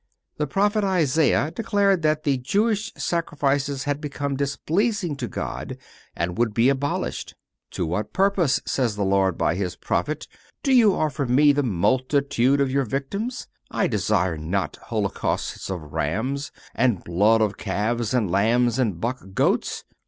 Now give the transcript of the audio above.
The Prophet Isaiah declared that the Jewish sacrifices had become displeasing to God and would be abolished. "To what purpose," says the Lord by His prophet, "do you offer Me the multitude of your victims?... I desire not holocausts of rams, ... and blood of calves and lambs and buck goats